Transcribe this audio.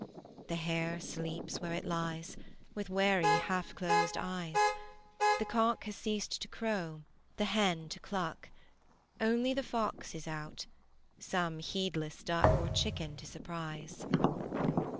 The hare sleeps where it lies, With wary half closed eyes; The cock has ceased to crow, the hen to cluck: Only the fox is out, some heedless duck Or chicken to surprise.